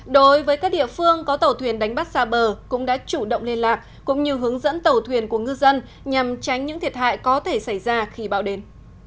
đối với các địa phương có tàu thuyền đánh bắt xa bờ cũng đã chủ động liên lạc cũng như hướng dẫn tàu thuyền của ngư dân nhằm tránh những thiệt hại có thể xảy ra khi bão đến